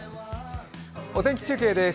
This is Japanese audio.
お天気中継です。